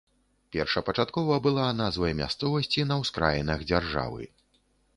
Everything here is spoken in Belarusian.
Першапачаткова была назвай мясцовасці на ўскраінах дзяржавы.